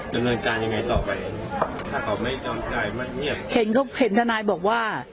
จะเป็นยังไงต่อไปถ้าเขาไม่จำใจไม่เงียบเห็นทุกคนเห็นทนายบอกว่า